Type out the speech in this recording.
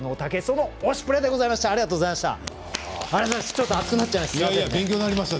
ちょっと熱くなっちゃいました。